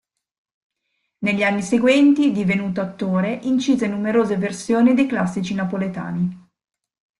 Negli anni seguenti, divenuto attore, incise numerose versioni dei classici napoletani.